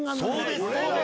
そうです。